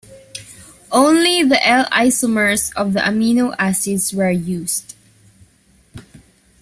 Only the L-isomers of the amino acids were used.